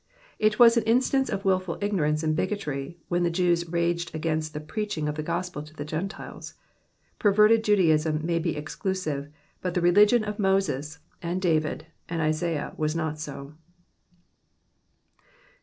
It was an instance of wilful ignorance and bigotry when the Jews raged against the preaching of the gospel to the Gentiles. Perverted Judaism may be exclusive, but the religion of Moses, and David, and Isaiah was not so.